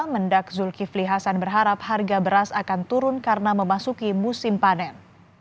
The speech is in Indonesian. mendak zulkifli hasan berharap harga beras akan turun karena memasuki musim panen